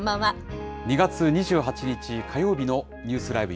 ２月２８日火曜日のニュースＬＩＶＥ！